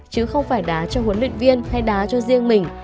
chứ không phải đá cho huấn luyện viên hay đá cho riêng mình